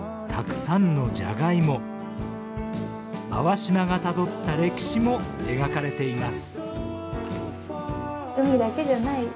粟島がたどった歴史も描かれています。